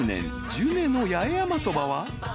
ジュネの八重山そばは］